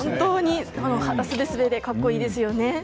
肌すべすべで格好いいですよね。